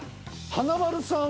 華丸さん